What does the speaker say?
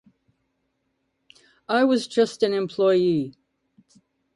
I was just an employee.